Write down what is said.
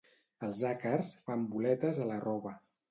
Els àcars fan boletes a la roba